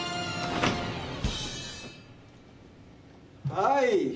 はい。